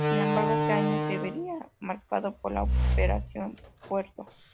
Sin embargo ese año se vería marcado por la Operación Puerto.